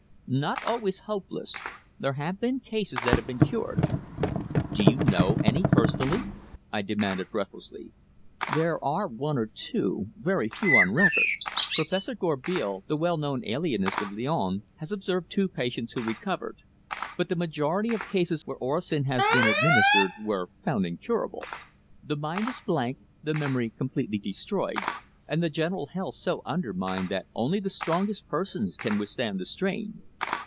"Not always hopeless. There have been cases that have been cured." "Do you know any personally?" I demanded breathlessly. "There are one or two very few on record. Professor Gourbeil, the well known alienist of Lyons, has observed two patients who recovered. But the majority of cases where orosin has been administered were found incurable. The mind is blank, the memory completely destroyed, and the general health so undermined that only the strongest persons can withstand the strain."